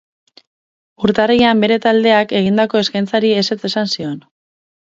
Urtarrilean bere taldeak egindako eskaintzari ezetz esan zion.